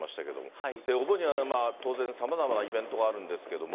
お盆には当然、さまざまなイベントがあるんですけども。